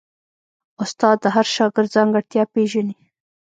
استاد د هر شاګرد ځانګړتیا پېژني.